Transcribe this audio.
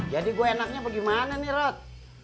jadi gue enaknya apa gimana nih rot